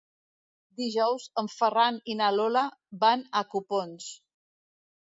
Dijous en Ferran i na Lola van a Copons.